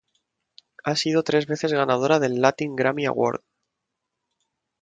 Ha sido tres veces ganadora del Latin Grammy Award.